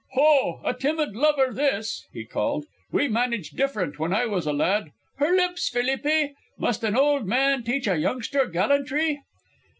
"Hoh! a timid lover this," he called. "We managed different when I was a lad. Her lips, Felipe. Must an old man teach a youngster gallantry?"